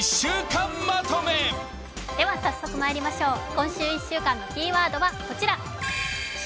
今週１週間のキーワードはこちら「気」